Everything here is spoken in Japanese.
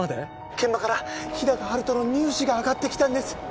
現場から日高陽斗の乳歯があがってきたんです